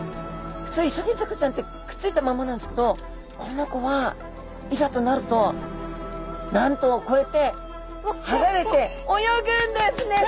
ふつうイソギンチャクちゃんってくっついたままなんですけどこの子はいざとなるとなんとこうやってはがれて泳ぐんですね！